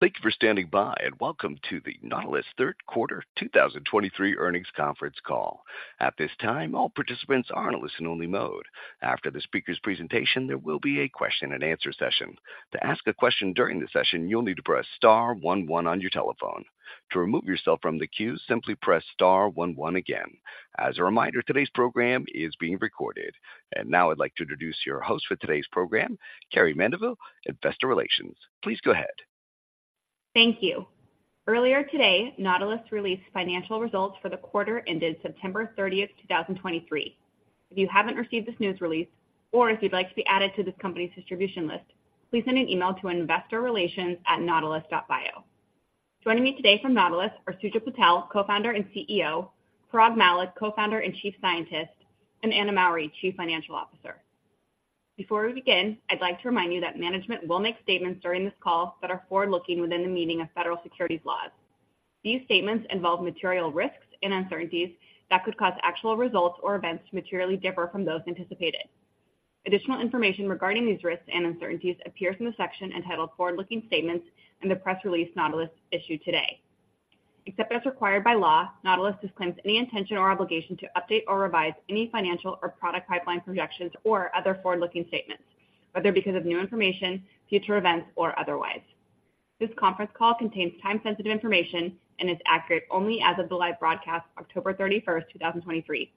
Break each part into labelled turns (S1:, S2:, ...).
S1: Thank you for standing by, and welcome to the Nautilus third quarter 2023 earnings conference call. At this time, all participants are in a listen-only mode. After the speaker's presentation, there will be a question and answer session. To ask a question during the session, you'll need to press star one one on your telephone. To remove yourself from the queue, simply press star one one again. As a reminder, today's program is being recorded. Now I'd like to introduce your host for today's program, Carrie Mendivil, Investor Relations. Please go ahead.
S2: Thank you. Earlier today, Nautilus released financial results for the quarter ended September 30th, 2023. If you haven't received this news release, or if you'd like to be added to this company's distribution list, please send an email to investorrelations@nautilus.bio. Joining me today from Nautilus are Sujal Patel, Co-founder and CEO, Parag Mallick, Co-founder and Chief Scientist, and Anna Mowry, Chief Financial Officer. Before we begin, I'd like to remind you that management will make statements during this call that are forward-looking within the meaning of federal securities laws. These statements involve material risks and uncertainties that could cause actual results or events to materially differ from those anticipated. Additional information regarding these risks and uncertainties appears in the section entitled Forward-Looking Statements in the press release Nautilus issued today. Except as required by law, Nautilus disclaims any intention or obligation to update or revise any financial or product pipeline projections or other forward-looking statements, whether because of new information, future events, or otherwise. This conference call contains time-sensitive information and is accurate only as of the live broadcast, October 31st, 2023.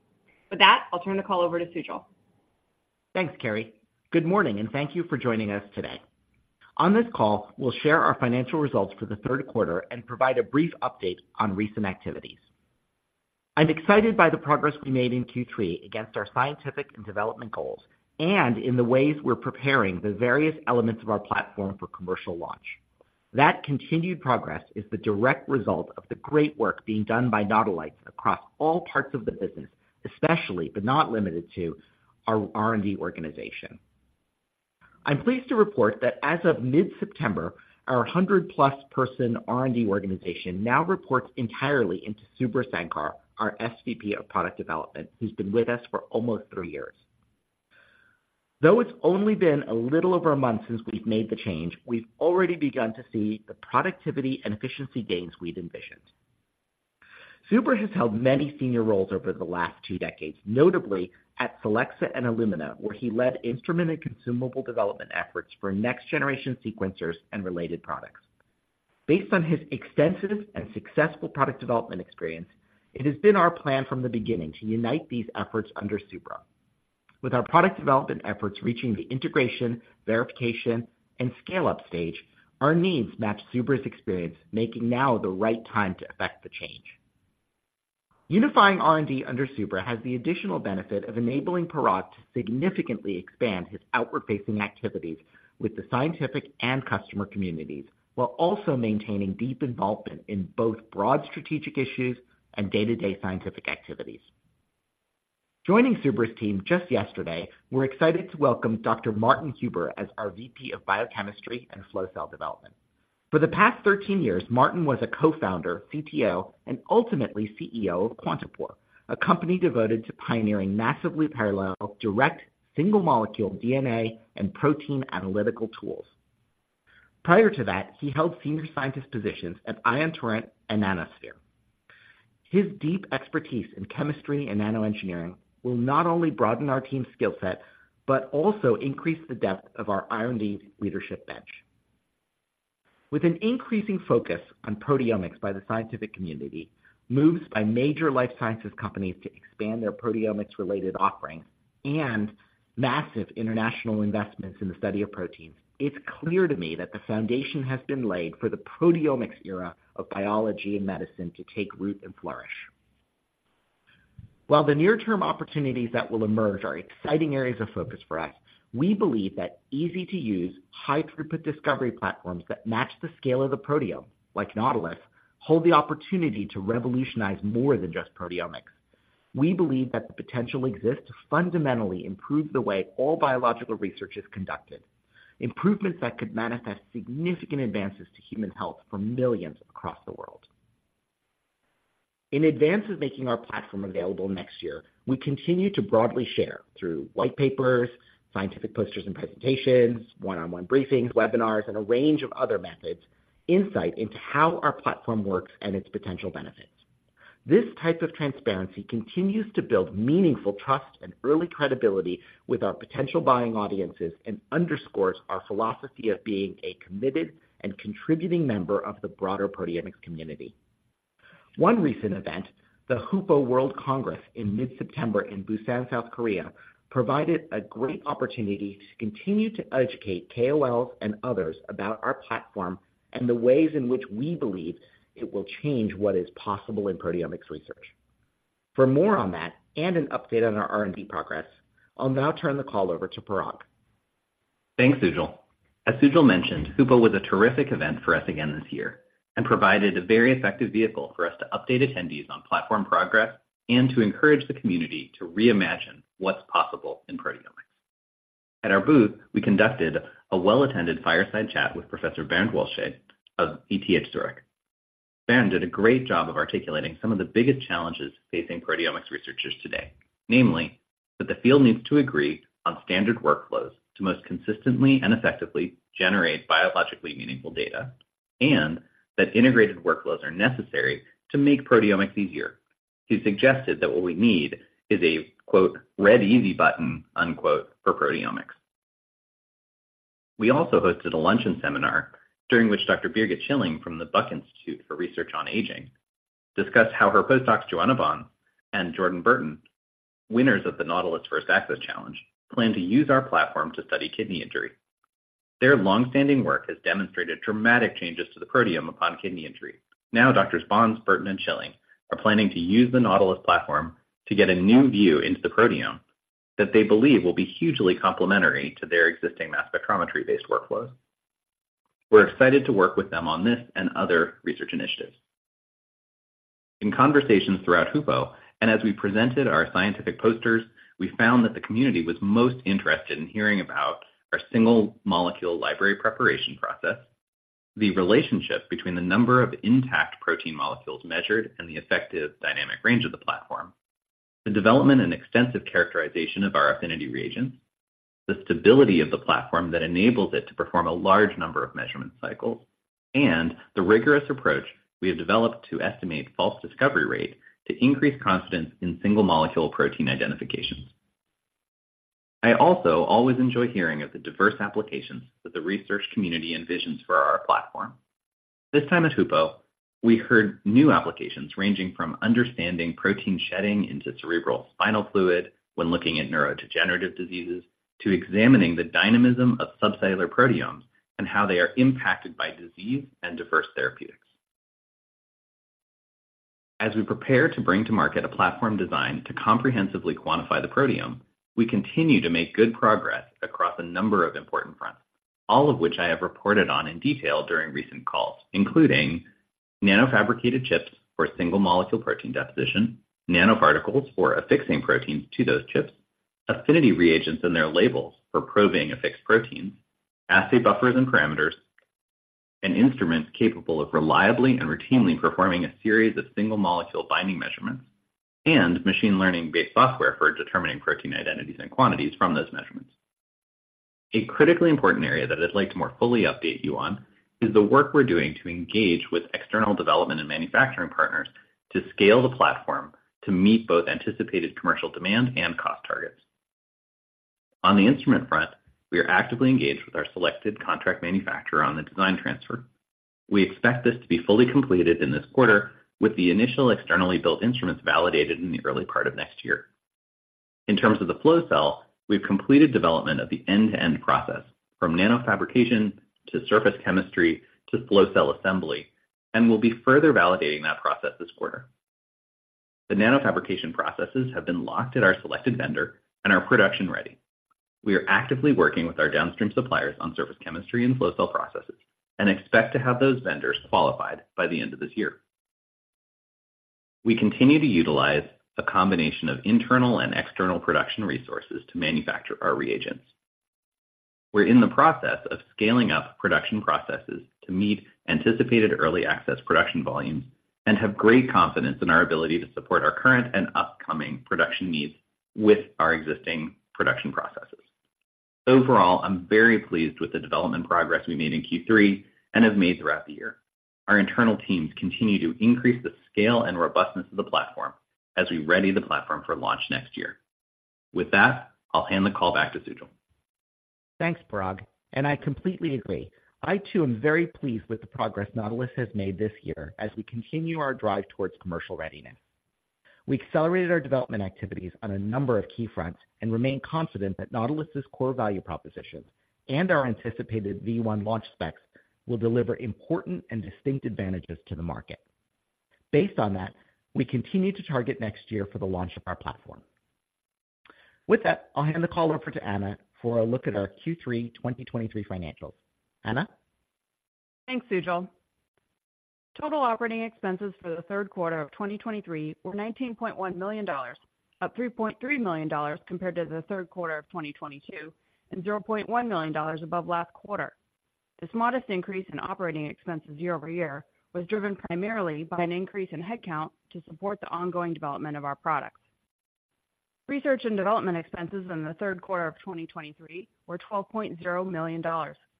S2: With that, I'll turn the call over to Sujal.
S3: Thanks, Carrie. Good morning, and thank you for joining us today. On this call, we'll share our financial results for the third quarter and provide a brief update on recent activities. I'm excited by the progress we made in Q3 against our scientific and development goals and in the ways we're preparing the various elements of our platform for commercial launch. That continued progress is the direct result of the great work being done by Nautilites across all parts of the business, especially, but not limited to, our R&D organization. I'm pleased to report that as of mid-September, our 100-plus person R&D organization now reports entirely into Subra Sankar, our SVP of Product Development, who's been with us for almost three years. Though it's only been a little over a month since we've made the change, we've already begun to see the productivity and efficiency gains we'd envisioned. Subra has held many senior roles over the last two decades, notably at Solexa and Illumina, where he led instrument and consumable development efforts for next-generation sequencers and related products. Based on his extensive and successful product development experience, it has been our plan from the beginning to unite these efforts under Subra. With our product development efforts reaching the integration, verification, and scale-up stage, our needs match Subra's experience, making now the right time to effect the change. Unifying R&D under Subra has the additional benefit of enabling Parag to significantly expand his outward-facing activities with the scientific and customer communities, while also maintaining deep involvement in both broad strategic issues and day-to-day scientific activities. Joining Subra's team just yesterday, we're excited to welcome Dr. Martin Huber as our VP of Biochemistry and Flow Cell Development. For the past 13 years, Martin was a co-founder, CTO, and ultimately CEO of Quantapore, a company devoted to pioneering massively parallel, direct, single-molecule DNA and protein analytical tools. Prior to that, he held senior scientist positions at Ion Torrent and Nanosphere. His deep expertise in chemistry and nanoengineering will not only broaden our team's skill set but also increase the depth of our R&D leadership bench. With an increasing focus on proteomics by the scientific community, moves by major life sciences companies to expand their proteomics-related offerings and massive international investments in the study of proteins, it's clear to me that the foundation has been laid for the proteomics era of biology and medicine to take root and flourish. While the near-term opportunities that will emerge are exciting areas of focus for us, we believe that easy-to-use, high-throughput discovery platforms that match the scale of the proteome, like Nautilus, hold the opportunity to revolutionize more than just proteomics. We believe that the potential exists to fundamentally improve the way all biological research is conducted, improvements that could manifest significant advances to human health for millions across the world. In advance of making our platform available next year, we continue to broadly share, through white papers, scientific posters and presentations, one-on-one briefings, webinars, and a range of other methods, insight into how our platform works and its potential benefits. This type of transparency continues to build meaningful trust and early credibility with our potential buying audiences and underscores our philosophy of being a committed and contributing member of the broader proteomics community. One recent event, the HUPO World Congress in mid-September in Busan, South Korea, provided a great opportunity to continue to educate KOLs and others about our platform and the ways in which we believe it will change what is possible in proteomics research. For more on that and an update on our R&D progress, I'll now turn the call over to Parag.
S4: Thanks, Sujal. As Sujal mentioned, HUPO was a terrific event for us again this year and provided a very effective vehicle for us to update attendees on platform progress and to encourage the community to reimagine what's possible in proteomics. At our booth, we conducted a well-attended fireside chat with Professor Bernd Wollscheid of ETH Zurich. Ben did a great job of articulating some of the biggest challenges facing proteomics researchers today. Namely, that the field needs to agree on standard workflows to most consistently and effectively generate biologically meaningful data, and that integrated workflows are necessary to make proteomics easier. He suggested that what we need is a, quote, “red easy button,” unquote, for proteomics. We also hosted a luncheon seminar, during which Dr. Birgit Schilling from the Buck Institute for Research on Aging, discussed how her postdocs, Joanna Bons and Jordan Burton, winners of the Nautilus First Access Challenge, plan to use our platform to study kidney injury. Their long-standing work has demonstrated dramatic changes to the proteome upon kidney injury. Now, Doctors Bons, Burton, and Schilling are planning to use the Nautilus platform to get a new view into the proteome that they believe will be hugely complementary to their existing mass spectrometry-based workflows. We're excited to work with them on this and other research initiatives. In conversations throughout HUPO, and as we presented our scientific posters, we found that the community was most interested in hearing about our single-molecule library preparation process, the relationship between the number of intact protein molecules measured and the effective dynamic range of the platform, the development and extensive characterization of our affinity reagents, the stability of the platform that enables it to perform a large number of measurement cycles, and the rigorous approach we have developed to estimate false discovery rate to increase confidence in single-molecule protein identifications. I also always enjoy hearing of the diverse applications that the research community envisions for our platform. This time at HUPO, we heard new applications, ranging from understanding protein shedding into cerebrospinal fluid when looking at neurodegenerative diseases, to examining the dynamism of subcellular proteomes and how they are impacted by disease and diverse therapeutics. As we prepare to bring to market a platform designed to comprehensively quantify the proteome, we continue to make good progress across a number of important fronts, all of which I have reported on in detail during recent calls, including nano-fabricated chips for single-molecule protein deposition, nanoparticles for affixing proteins to those chips, affinity reagents and their labels for probing affixed proteins, assay buffers and parameters, and instruments capable of reliably and routinely performing a series of single-molecule binding measurements, and machine learning-based software for determining protein identities and quantities from those measurements. A critically important area that I'd like to more fully update you on is the work we're doing to engage with external development and manufacturing partners to scale the platform to meet both anticipated commercial demand and cost targets. On the instrument front, we are actively engaged with our selected contract manufacturer on the design transfer. We expect this to be fully completed in this quarter, with the initial externally built instruments validated in the early part of next year. In terms of the flow cell, we've completed development of the end-to-end process, from nanofabrication to surface chemistry to flow cell assembly, and we'll be further validating that process this quarter. The nanofabrication processes have been locked at our selected vendor and are production-ready. We are actively working with our downstream suppliers on surface chemistry and flow cell processes and expect to have those vendors qualified by the end of this year. We continue to utilize a combination of internal and external production resources to manufacture our reagents. We're in the process of scaling up production processes to meet anticipated early access production volumes and have great confidence in our ability to support our current and upcoming production needs with our existing production processes. Overall, I'm very pleased with the development progress we made in Q3 and have made throughout the year. Our internal teams continue to increase the scale and robustness of the platform as we ready the platform for launch next year. With that, I'll hand the call back to Sujal.
S3: Thanks, Parag, and I completely agree. I, too, am very pleased with the progress Nautilus has made this year as we continue our drive towards commercial readiness. We accelerated our development activities on a number of key fronts and remain confident that Nautilus's core value proposition and our anticipated V1 launch specs will deliver important and distinct advantages to the market. Based on that, we continue to target next year for the launch of our platform. With that, I'll hand the call over to Anna for a look at our Q3 2023 financials. Anna?
S5: Thanks, Sujal. Total operating expenses for the third quarter of 2023 were $19.1 million, up $3.3 million compared to the third quarter of 2022, and $0.1 million above last quarter. This modest increase in operating expenses year-over-year was driven primarily by an increase in headcount to support the ongoing development of our products. Research and development expenses in the third quarter of 2023 were $12.0 million,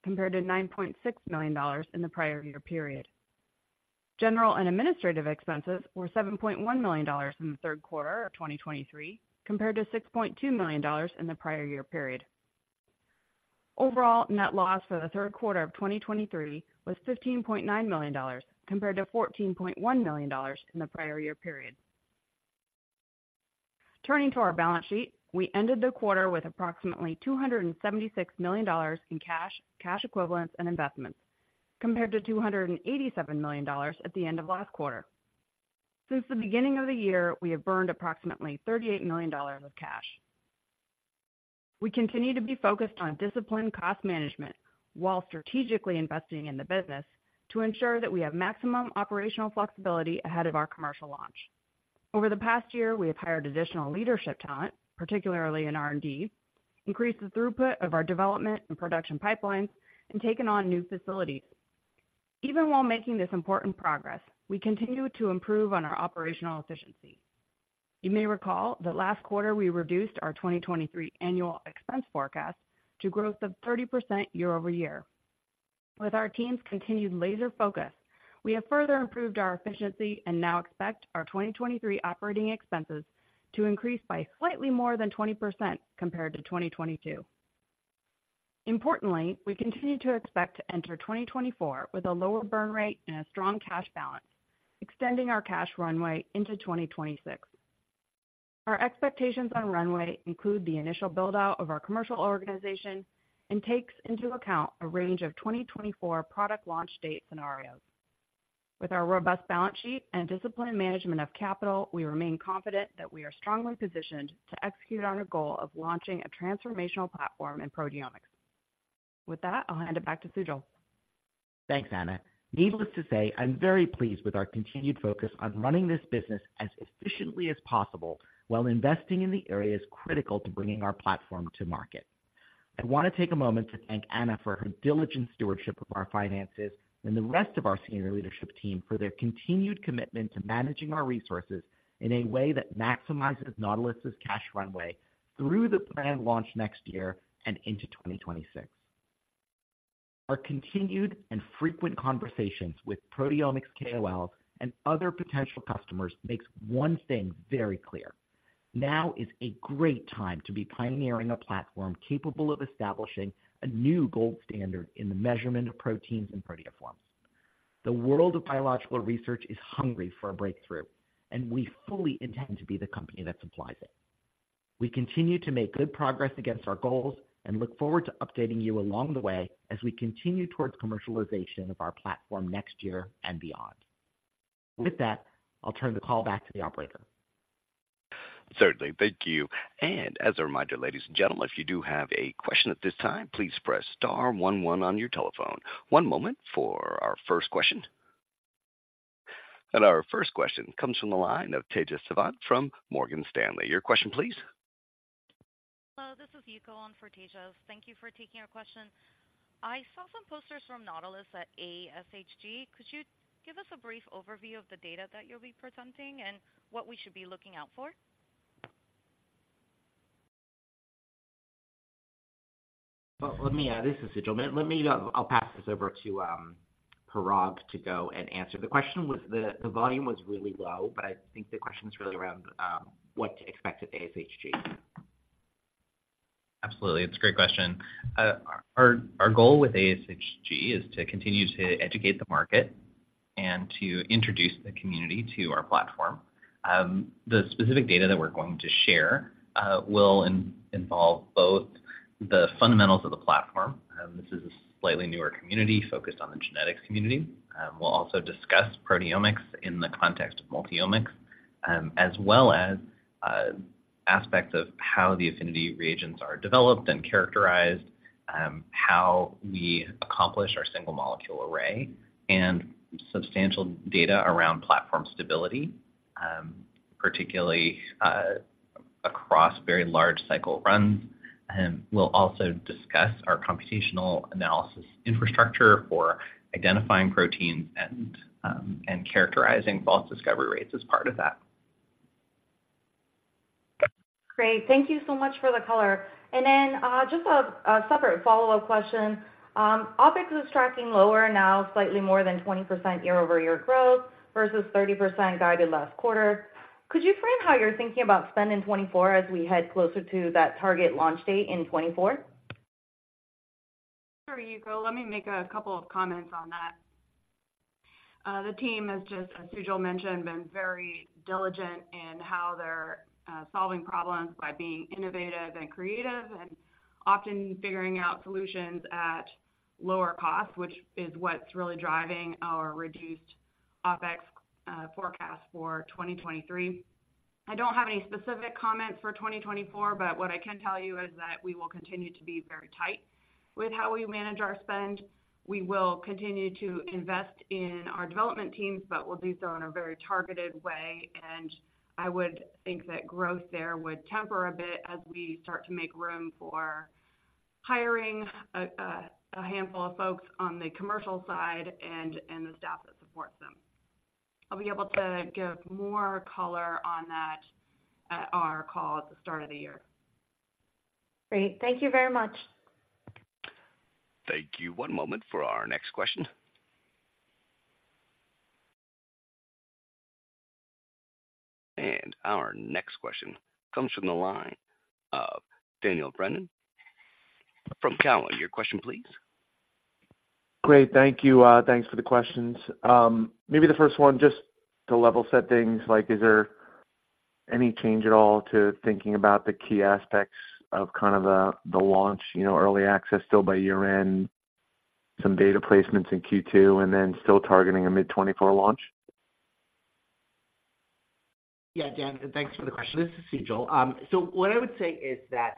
S5: compared to $9.6 million in the prior year period. General and administrative expenses were $7.1 million in the third quarter of 2023, compared to $6.2 million in the prior year period. Overall, net loss for the third quarter of 2023 was $15.9 million, compared to $14.1 million in the prior year period. Turning to our balance sheet, we ended the quarter with approximately $276 million in cash, cash equivalents, and investments, compared to $287 million at the end of last quarter. Since the beginning of the year, we have burned approximately $38 million of cash. We continue to be focused on disciplined cost management while strategically investing in the business to ensure that we have maximum operational flexibility ahead of our commercial launch. Over the past year, we have hired additional leadership talent, particularly in R&D, increased the throughput of our development and production pipelines, and taken on new facilities. Even while making this important progress, we continue to improve on our operational efficiency. You may recall that last quarter, we reduced our 2023 annual expense forecast to growth of 30% year-over-year. With our team's continued laser focus, we have further improved our efficiency and now expect our 2023 operating expenses to increase by slightly more than 20% compared to 2022. Importantly, we continue to expect to enter 2024 with a lower burn rate and a strong cash balance, extending our cash runway into 2026. Our expectations on runway include the initial build-out of our commercial organization and takes into account a range of 2024 product launch date scenarios. With our robust balance sheet and disciplined management of capital, we remain confident that we are strongly positioned to execute on our goal of launching a transformational platform in proteomics. With that, I'll hand it back to Sujal.
S3: Thanks, Anna. Needless to say, I'm very pleased with our continued focus on running this business as efficiently as possible while investing in the areas critical to bringing our platform to market. I want to take a moment to thank Anna for her diligent stewardship of our finances and the rest of our senior leadership team for their continued commitment to managing our resources in a way that maximizes Nautilus' cash runway through the planned launch next year and into 2026. Our continued and frequent conversations with proteomics KOLs and other potential customers makes one thing very clear. Now is a great time to be pioneering a platform capable of establishing a new gold standard in the measurement of proteins and proteoforms. The world of biological research is hungry for a breakthrough, and we fully intend to be the company that supplies it. We continue to make good progress against our goals and look forward to updating you along the way as we continue towards commercialization of our platform next year and beyond. With that, I'll turn the call back to the operator.
S1: Certainly. Thank you. And as a reminder, ladies and gentlemen, if you do have a question at this time, please press star one one on your telephone. One moment for our first question. And our first question comes from the line of Tejas Sawant from Morgan Stanley. Your question, please.
S6: Hello, this is Yuko on for Tejas. Thank you for taking our question. I saw some posters from Nautilus at ASHG. Could you give us a brief overview of the data that you'll be presenting and what we should be looking out for?
S3: Well, let me, this is Sujal. Let me... I'll pass this over to Parag to go and answer. The question was, the volume was really low, but I think the question is really around what to expect at ASHG.
S4: Absolutely. It's a great question. Our goal with ASHG is to continue to educate the market and to introduce the community to our platform. The specific data that we're going to share will involve both the fundamentals of the platform. This is a slightly newer community focused on the genetics community. We'll also discuss proteomics in the context of multi-omics, as well as aspects of how the affinity reagents are developed and characterized, how we accomplish our single molecule array, and substantial data around platform stability, particularly across very large cycle runs. And we'll also discuss our computational analysis infrastructure for identifying proteins and characterizing false discovery rates as part of that.
S6: Great. Thank you so much for the color. And then, just a separate follow-up question. OpEx is tracking lower now, slightly more than 20% year-over-year growth versus 30% guided last quarter. Could you frame how you're thinking about spend in 2024 as we head closer to that target launch date in 2024?
S5: Sure, Yuko. Let me make a couple of comments on that. The team has just, as Sujal mentioned, been very diligent in how they're solving problems by being innovative and creative and often figuring out solutions at lower cost, which is what's really driving our reduced OpEx forecast for 2023. I don't have any specific comment for 2024, but what I can tell you is that we will continue to be very tight with how we manage our spend. We will continue to invest in our development teams, but we'll do so in a very targeted way, and I would think that growth there would temper a bit as we start to make room for hiring a, a, a handful of folks on the commercial side and, and the staff that supports them. I'll be able to give more color on that at our call at the start of the year.
S6: Great. Thank you very much.
S1: Thank you. One moment for our next question. Our next question comes from the line of Daniel Brennan from Cowen. Your question, please.
S7: Great. Thank you. Thanks for the questions. Maybe the first one, just to level set things, like, is there any change at all to thinking about the key aspects of kind of, the launch, you know, early access still by year-end, some data placements in Q2, and then still targeting a mid-2024 launch?
S3: Yeah, Dan, thanks for the question. This is Sujal. So what I would say is that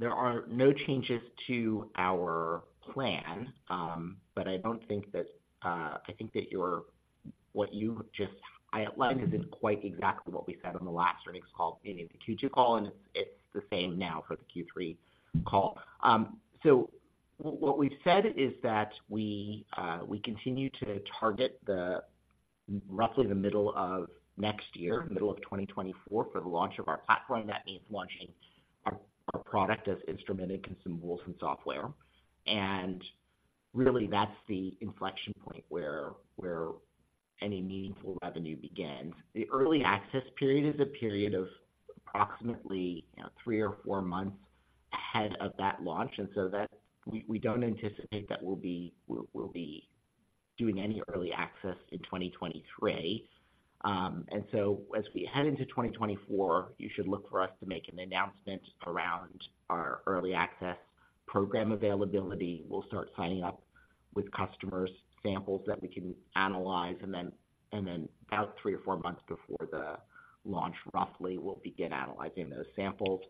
S3: there are no changes to our plan, but I don't think that I think that what you just highlighted isn't quite exactly what we said on the last earnings call, I mean, in the Q2 call, and it's the same now for the Q3 call. So what we've said is that we continue to target roughly the middle of next year, middle of 2024, for the launch of our platform. That means launching our product as instruments, consumables and software. And really, that's the inflection point where any meaningful revenue begins. The early access period is a period of approximately, you know, three or four months ahead of that launch, and so that, we don't anticipate that we'll be doing any early access in 2023. And so as we head into 2024, you should look for us to make an announcement around our early access program availability. We'll start signing up with customers, samples that we can analyze, and then about three or four months before the launch, roughly, we'll begin analyzing those samples.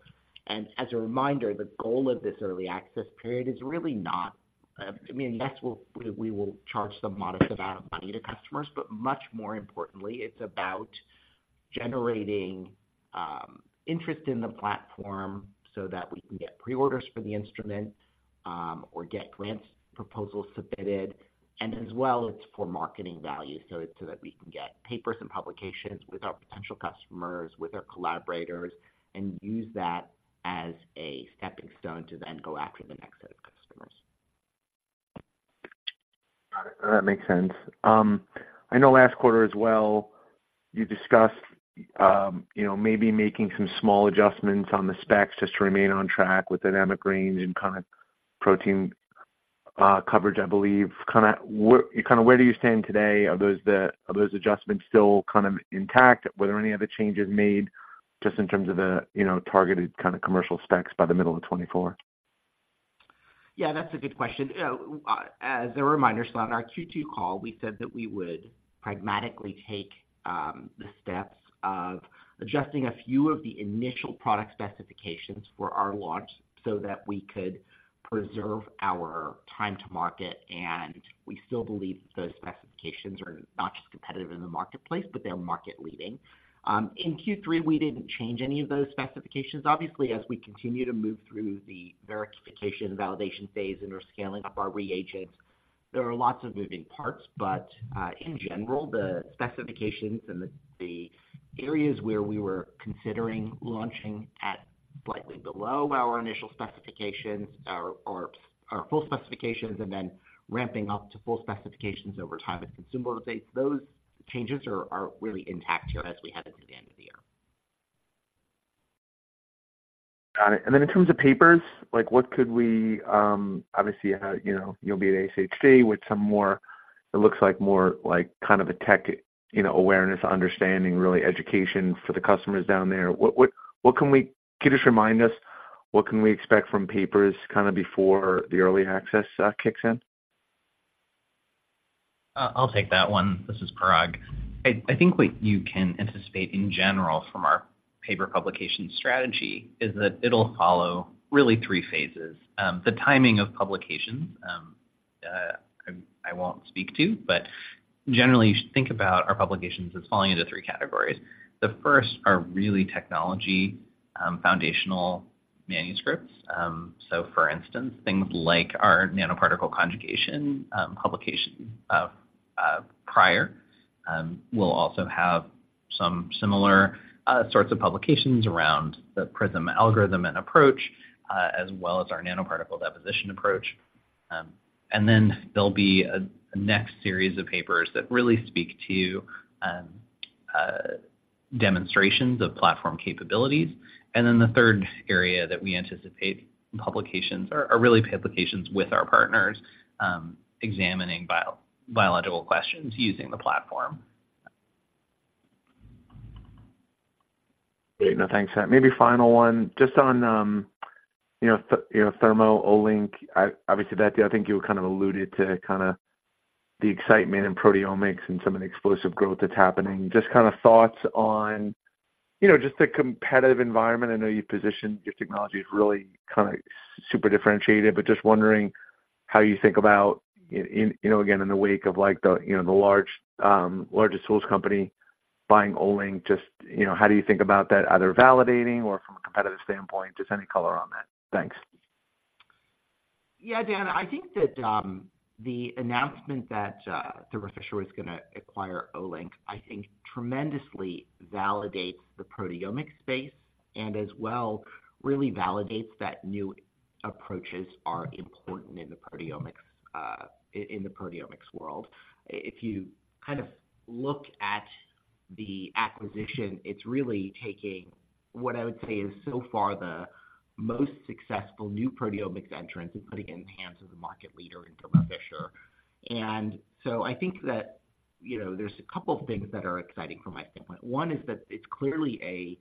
S3: As a reminder, the goal of this early access period is really not, I mean, yes, we'll, we, we will charge some modest amount of money to customers, but much more importantly, it's about generating interest in the platform so that we can get pre-orders for the instrument, or get grant proposals submitted, and as well, it's for marketing value, so it's so that we can get papers and publications with our potential customers, with our collaborators, and use that as a stepping stone to then go after the next set of customers.
S7: Got it. That makes sense. I know last quarter as well, you discussed, you know, maybe making some small adjustments on the specs just to remain on track with dynamic range and kind of protein coverage, I believe. Kind of, where do you stand today? Are those adjustments still kind of intact? Were there any other changes made just in terms of the, you know, targeted kind of commercial specs by the middle of 2024?
S3: Yeah, that's a good question. As a reminder, so on our Q2 call, we said that we would pragmatically take the steps of adjusting a few of the initial product specifications for our launch so that we could preserve our time to market, and we still believe those specifications are not just competitive in the marketplace, but they're market-leading. In Q3, we didn't change any of those specifications. Obviously, as we continue to move through the verification, validation phase and we're scaling up our reagents, there are lots of moving parts, but in general, the specifications and the areas where we were considering launching at slightly below our initial specifications or full specifications and then ramping up to full specifications over time with consumable dates, those changes are really intact here as we head into the end of the year.
S7: Got it. And then in terms of papers, like, what could we... Obviously, you know, you'll be at ASHG with some more, it looks like more, like, kind of a tech, you know, awareness, understanding, really education for the customers down there. Can you just remind us what can we expect from papers kind of before the early access kicks in?
S4: I'll take that one. This is Parag. I think what you can anticipate in general from our paper publication strategy is that it'll follow really three phases. The timing of publications, I won't speak to, but generally, you should think about our publications as falling into three categories. The first are really technology foundational manuscripts. So for instance, things like our nanoparticle conjugation, publication of prior. We'll also have some similar sorts of publications around the PrISM algorithm and approach, as well as our nanoparticle deposition approach. And then there'll be a next series of papers that really speak to demonstrations of platform capabilities. And then the third area that we anticipate in publications are really publications with our partners, examining biological questions using the platform.
S7: Great. No, thanks. Maybe final one, just on, you know, Thermo Olink. Obviously, that, I think you kind of alluded to kind of the excitement in proteomics and some of the explosive growth that's happening. Just kind of thoughts on, you know, just the competitive environment. I know you've positioned your technology as really kind of super differentiated, but just wondering how you think about in, you know, again, in the wake of, like, the, you know, the large, largest tools company buying Olink, just, you know, how do you think about that, either validating or from a competitive standpoint, just any color on that? Thanks.
S3: Yeah, Dan, I think that, the announcement that, Thermo Fisher was going to acquire Olink, I think tremendously validates the proteomics space and as well, really validates that new approaches are important in the proteomics, in the proteomics world. If you kind of look at the acquisition, it's really taking what I would say is so far the most successful new proteomics entrants and putting it in the hands of the market leader in Thermo Fisher. And so I think that, you know, there's a couple of things that are exciting from my standpoint. One is that it's clearly a,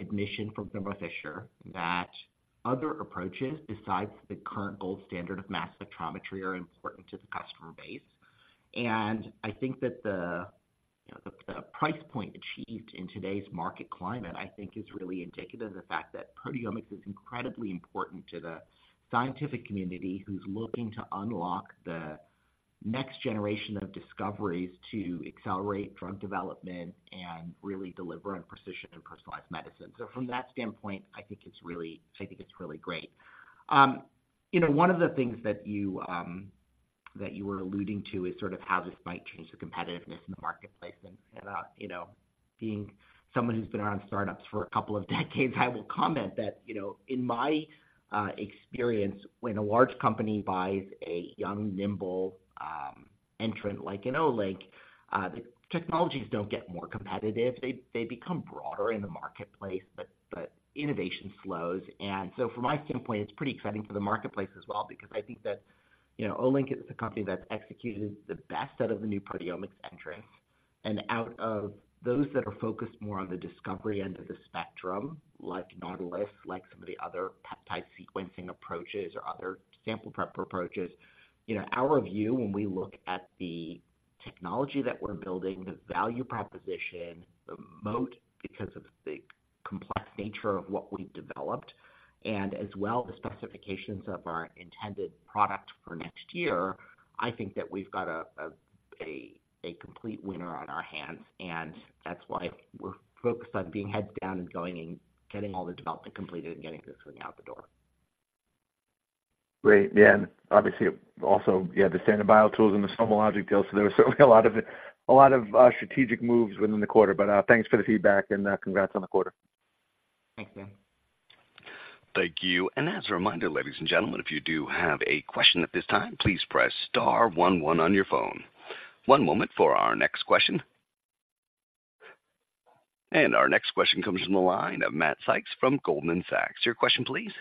S3: admission from Thermo Fisher that other approaches, besides the current gold standard of mass spectrometry, are important to the customer base.... I think that, you know, the price point achieved in today's market climate, I think, is really indicative of the fact that proteomics is incredibly important to the scientific community, who's looking to unlock the next generation of discoveries to accelerate drug development and really deliver on precision and personalized medicine. So from that standpoint, I think it's really, I think it's really great. You know, one of the things that you were alluding to is sort of how this might change the competitiveness in the marketplace. You know, being someone who's been around startups for a couple of decades, I will comment that, you know, in my experience, when a large company buys a young, nimble entrant like an Olink, the technologies don't get more competitive. They become broader in the marketplace, but innovation slows. And so from my standpoint, it's pretty exciting for the marketplace as well, because I think that, you know, Olink is a company that's executed the best out of the new proteomics entrants and out of those that are focused more on the discovery end of the spectrum, like Nautilus, like some of the other peptide sequencing approaches or other sample prep approaches. You know, our view when we look at the technology that we're building, the value proposition, the moat, because of the complex nature of what we've developed, and as well, the specifications of our intended product for next year, I think that we've got a complete winner on our hands, and that's why we're focused on being heads down and going and getting all the development completed and getting this thing out the door.
S7: Great. Yeah, and obviously also, you had the Standard BioTools and the SomaLogic deal, so there were certainly a lot of strategic moves within the quarter. But, thanks for the feedback and congrats on the quarter.
S3: Thanks, Dan.
S1: Thank you. As a reminder, ladies and gentlemen, if you do have a question at this time, please press star one one on your phone. One moment for our next question. Our next question comes from the line of Matt Sykes from Goldman Sachs. Your question, please.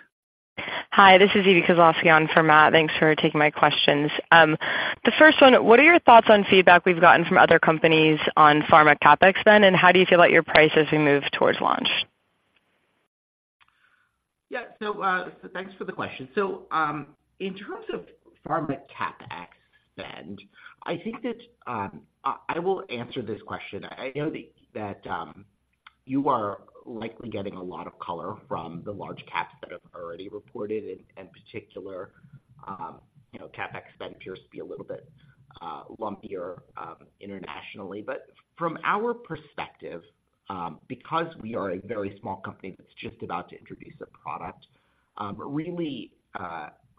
S8: Hi, this is Evie Kozlowski in for Matt. Thanks for taking my questions. The first one, what are your thoughts on feedback we've gotten from other companies on pharma CapEx spend, and how do you feel about your price as we move towards launch?
S3: Yeah. So, thanks for the question. So, in terms of pharma CapEx spend, I think that I will answer this question. I know that you are likely getting a lot of color from the large caps that have already reported, in particular, you know, CapEx spend appears to be a little bit lumpier internationally. But from our perspective, because we are a very small company that's just about to introduce a product, really,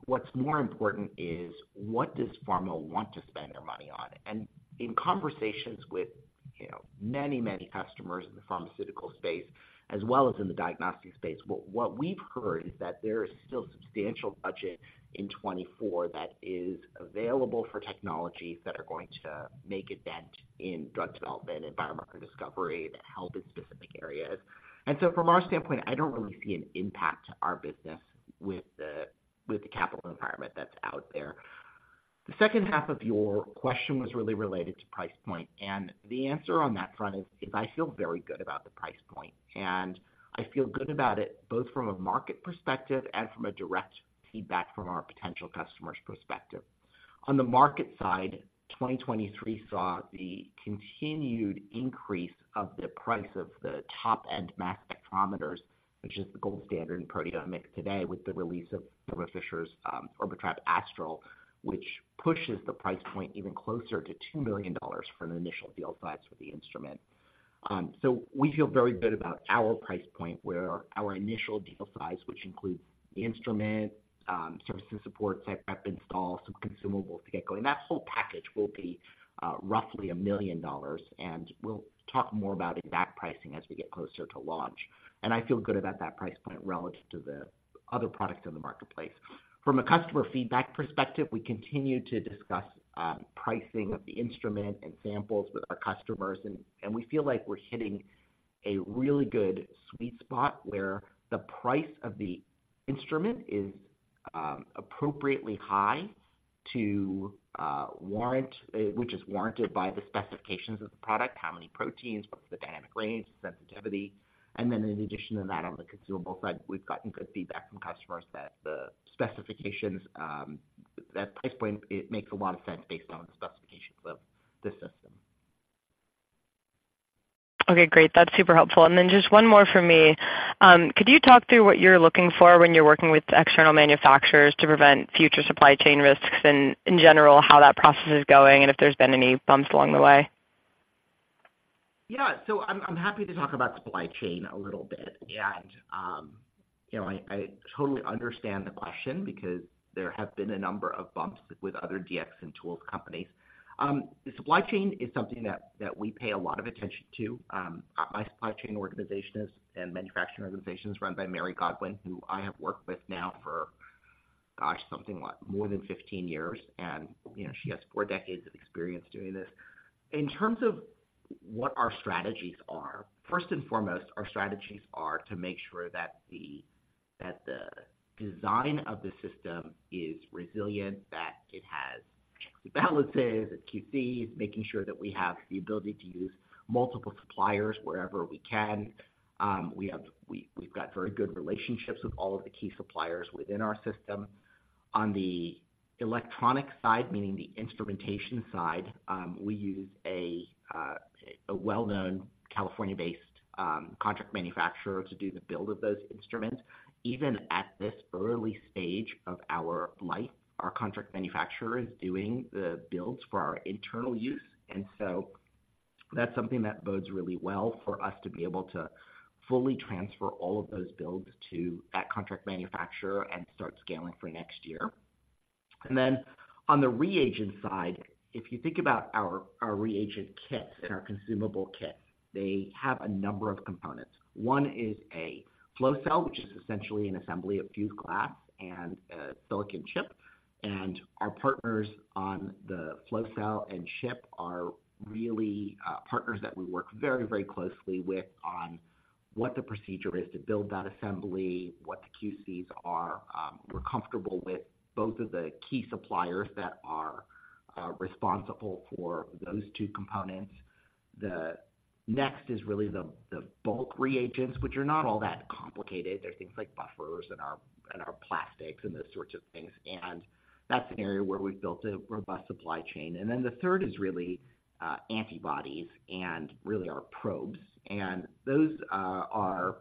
S3: what's more important is what does pharma want to spend their money on? In conversations with, you know, many, many customers in the pharmaceutical space, as well as in the diagnostic space, what, what we've heard is that there is still substantial budget in 2024 that is available for technologies that are going to make a dent in drug development and biomarker discovery that help in specific areas. And so from our standpoint, I don't really see an impact to our business with the, with the capital environment that's out there. The second half of your question was really related to price point, and the answer on that front is, is I feel very good about the price point, and I feel good about it, both from a market perspective and from a direct feedback from our potential customers' perspective. On the market side, 2023 saw the continued increase of the price of the top-end mass spectrometers, which is the gold standard in proteomics today, with the release of Thermo Fisher's Orbitrap Astral, which pushes the price point even closer to $2 million for an initial deal size for the instrument. So we feel very good about our price point, where our initial deal size, which includes the instrument, services, support, prep, install, some consumables to get going, that whole package will be roughly $1 million, and we'll talk more about exact pricing as we get closer to launch. And I feel good about that price point relative to the other products in the marketplace. From a customer feedback perspective, we continue to discuss pricing of the instrument and samples with our customers, and we feel like we're hitting a really good sweet spot, where the price of the instrument is appropriately high, which is warranted by the specifications of the product, how many proteins, what's the dynamic range, the sensitivity. And then in addition to that, on the consumable side, we've gotten good feedback from customers that the specifications that price point, it makes a lot of sense based on the specifications of the system.
S8: Okay, great. That's super helpful. And then just one more for me. Could you talk through what you're looking for when you're working with external manufacturers to prevent future supply chain risks, and in general, how that process is going, and if there's been any bumps along the way?
S3: Yeah, so I'm happy to talk about supply chain a little bit. And, you know, I totally understand the question because there have been a number of bumps with other DX and tools companies. The supply chain is something that we pay a lot of attention to. My supply chain organization and manufacturing organization is run by Mary Godwin, who I have worked with now for, gosh, something like more than 15 years, and, you know, she has four decades of experience doing this. In terms of what our strategies are, first and foremost, our strategies are to make sure that the design of the system is resilient, that it has checks and balances, it's QCs, making sure that we have the ability to use multiple suppliers wherever we can. We've got very good relationships with all of the key suppliers within our system. On the electronic side, meaning the instrumentation side, we use a well-known California-based contract manufacturer to do the build of those instruments. Even at this early stage of our life, our contract manufacturer is doing the builds for our internal use, and so that's something that bodes really well for us to be able to fully transfer all of those builds to that contract manufacturer and start scaling for next year. And then on the reagent side, if you think about our reagent kits and our consumable kits, they have a number of components. One is a flow cell, which is essentially an assembly of fused glass and a silicon chip. And our partners on the flow cell and chip are really partners that we work very, very closely with on what the procedure is to build that assembly, what the QCs are. We're comfortable with both of the key suppliers that are responsible for those two components. The next is really the bulk reagents, which are not all that complicated. They're things like buffers and our plastics and those sorts of things, and that's an area where we've built a robust supply chain. And then the third is really antibodies and really our probes. And those are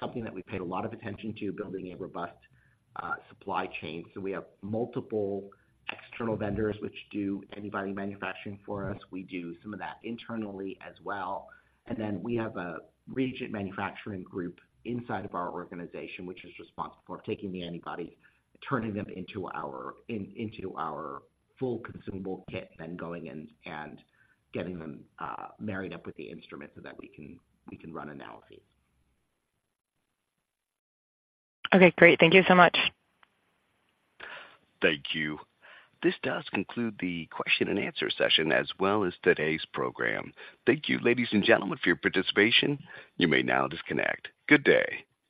S3: something that we paid a lot of attention to building a robust supply chain. So we have multiple external vendors which do antibody manufacturing for us. We do some of that internally as well. Then we have a reagent manufacturing group inside of our organization, which is responsible for taking the antibodies, turning them into our full consumable kit, then going in and getting them married up with the instrument so that we can run analyses.
S8: Okay, great. Thank you so much.
S1: Thank you. This does conclude the question and answer session as well as today's program. Thank you, ladies and gentlemen, for your participation. You may now disconnect. Good day.